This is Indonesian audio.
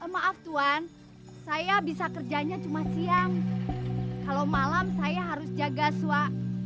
maaf tuhan saya bisa kerjanya cuma siang kalau malam saya harus jaga swa